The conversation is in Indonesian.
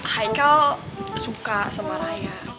haikal suka sama raya